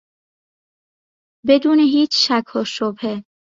بدون هیچ شک و شبهه